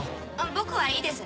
僕はいいです。